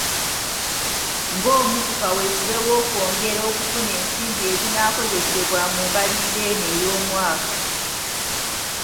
Ng’omu ku kaweefube w’okwongera okufuna ensimbi ezinaakozesebwa mu mbalirira eno ey’omwaka